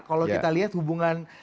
kalau kita lihat hubungan